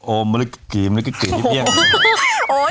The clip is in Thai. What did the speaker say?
โอ้มลึกกี่ลึกกี่ก่อนไปหมด